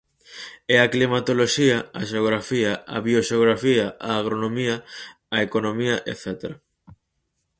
E a climatoloxía, a xeografía, a bioxeografía, a agronomía, a economía etcétera.